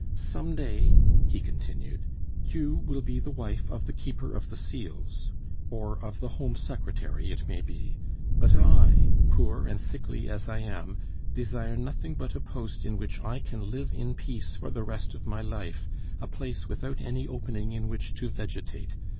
Some day," he continued, "you will be the wife of the Keeper of the Seals, or of the Home Secretary, it may be; but I, poor and sickly as I am, desire nothing but a post in which I can live in peace for the rest of my life, a place without any opening in which to vegetate.